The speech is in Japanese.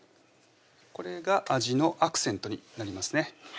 これが味のアクセントになりますね